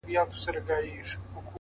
زحمت د هیلو ریښې پیاوړې کوي؛